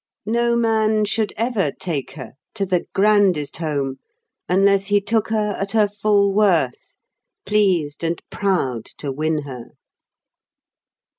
No man should ever take her—to the grandest home—unless he took her at her full worth, pleased and proud to win her.